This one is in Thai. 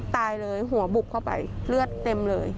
ตายเลยหัวบุกเข้าไปเลือดเต็มเลย